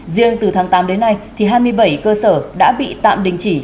riêng từ tháng tám đến nay hai mươi bảy cơ sở đã bị tạm đình chỉ